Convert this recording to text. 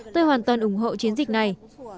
tôi hoàn toàn ủng hộ chiến dịch này